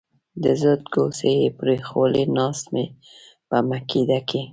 د زهد کوڅې یې پرېښوولې ناست په میکده کې